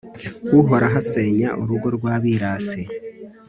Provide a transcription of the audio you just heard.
uhoraho asenya urugo rw'abirasi